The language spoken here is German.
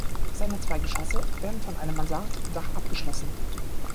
Seine zwei Geschosse werden von einem Mansarddach abgeschlossen.